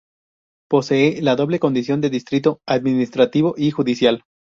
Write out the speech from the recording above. Posee la doble condición de distrito administrativo y judicial.